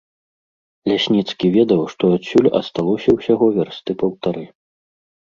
Лясніцкі ведаў, што адсюль асталося ўсяго вярсты паўтары.